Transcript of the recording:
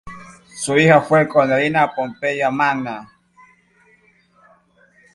Su hija fue Cornelia Pompeya Magna.